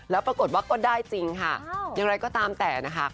แล้วปรากฏว่าก็ได้จริงค่ะอย่างไรก็ตามแต่นะคะ